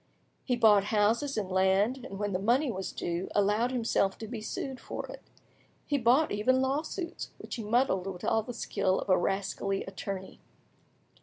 He bought houses and land, and when the money was due, allowed himself to be sued for it; he bought even lawsuits, which he muddled with all the skill of a rascally attorney.